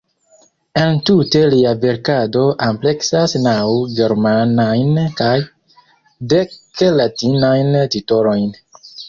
Entute lia verkado ampleksas naŭ germanajn kaj dek latinajn titolojn.